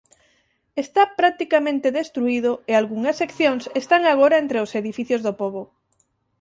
Está practicamente destruído e algunhas seccións están agora entre os edificios do pobo.